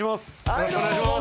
よろしくお願いします。